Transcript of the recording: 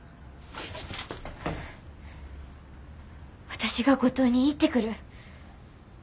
私が五島に行ってくる。